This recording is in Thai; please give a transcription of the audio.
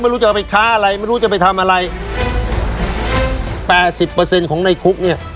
ใบเปอร์๑๐ของในคุกเนี่ย